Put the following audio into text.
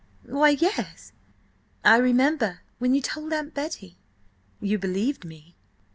"Why, yes! I remember when you told Aunt Betty." "You believed me?"